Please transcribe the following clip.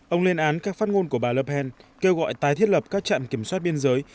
ông lên án các phát ngôn của bà lapen kêu gọi tái thiết lập các trạm kiểm soát biên giới